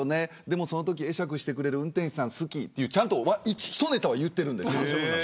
でも、そのとき会釈してくれる運転手さん好きというひとネタは言っているんですよ。